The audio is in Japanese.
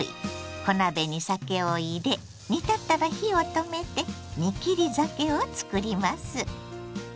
小鍋に酒を入れ煮立ったら火を止めて「煮切り酒」をつくります。